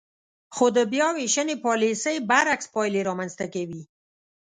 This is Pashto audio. خو د بیاوېشنې پالیسۍ برعکس پایلې رامنځ ته کوي.